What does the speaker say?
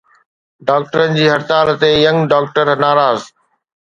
ڊاڪٽرن جي هڙتال تي ”ينگ ڊاڪٽر“ ناراض.